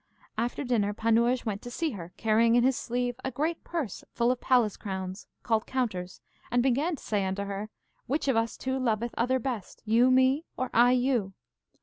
After dinner Panurge went to see her, carrying in his sleeve a great purse full of palace crowns, called counters, and began to say unto her, Which of us two loveth other best, you me, or I you?